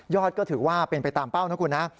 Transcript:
ยอดก็ถือว่าเป็นไปตามเป้านะครับคุณนะครับ